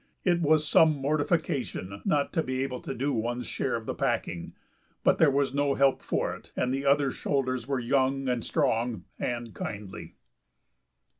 It was some mortification not to be able to do one's share of the packing, but there was no help for it, and the other shoulders were young and strong and kindly.